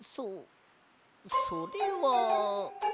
そそれは。